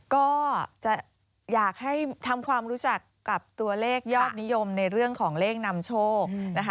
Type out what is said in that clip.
ก็จะอยากให้ทำความรู้จักกับตัวเลขยอดนิยมในเรื่องของเลขนำโชคนะคะ